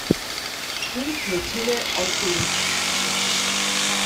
U-Flottille Ausbildungsoffizier.